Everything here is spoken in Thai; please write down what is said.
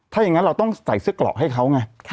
ถ้าอย่างนั้นเราต้องใส่เสื้อกรอกให้เขาไง